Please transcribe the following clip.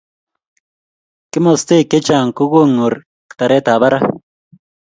kimastaoek chechang' ko kongor taret ab barak